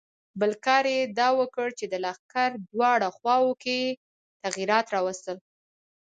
بل کار یې دا وکړ چې د لښکر دواړو خواوو کې یې تغیرات راوستل.